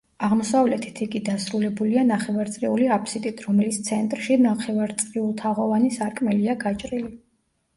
აღმოსავლეთით იგი დასრულებულია ნახევარწრიული აფსიდით, რომლის ცენტრში ნახევარწრიულთაღოვანი სარკმელია გაჭრილი.